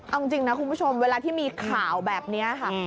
เอาจริงนะคุณผู้ชมเวลาที่มีข่าวแบบนี้ค่ะ